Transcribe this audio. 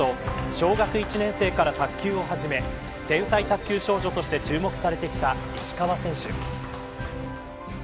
小学１年生から卓球を始め天才卓球少女として注目されてきた石川選手。